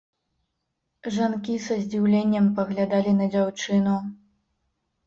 Жанкі са здзіўленнем паглядалі на дзяўчыну.